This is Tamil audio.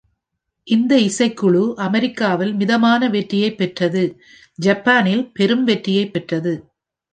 இந்த இசைக்குழு அமெரிக்காவில் மிதமான வெற்றியைப் பெற்றது, ஜப்பானில் பெரும் வெற்றியைப் பெற்றது.